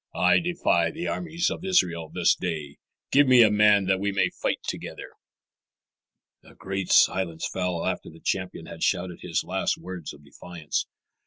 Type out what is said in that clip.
I defy the armies of Israel this day. Give me a man that we may fight together." A great silence fell after the champion had shouted his last words of defiance.